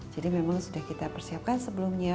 jadi memang sudah kita persiapkan sebelumnya